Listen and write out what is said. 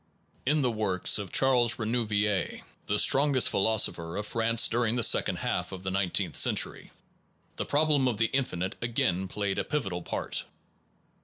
In the works of Charles Renouvier, the strongest philosopher of France during the second half of the nineteenth century, the problem of the infinite again played a pivotal part.